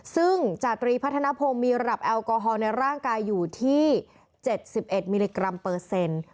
ซึ่งจาตรีพัฒนภงมีระดับแอลกอฮอลในร่างกายอยู่ที่๗๑มิลลิกรัมเปอร์เซ็นต์